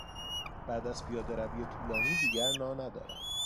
بعد از پیادهروی طولانی دیگر نا ندارم.